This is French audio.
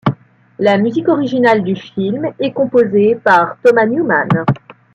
La musique originale du film est composée par Thomas Newman.